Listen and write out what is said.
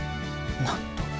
なんと。